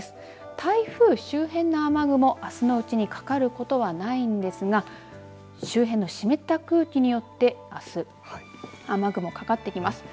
台風周辺の雨雲あすのうちにかかることはないんですが周辺の湿った空気によってあす雨雲、かかってきます。